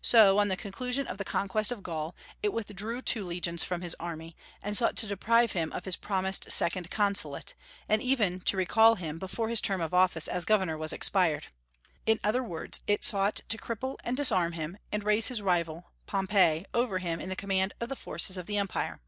So, on the conclusion of the conquest of Gaul, it withdrew two legions from his army, and sought to deprive him of his promised second consulate, and even to recall him before his term of office as governor was expired. In other words, it sought to cripple and disarm him, and raise his rival, Pompey, over him in the command of the forces of the Empire.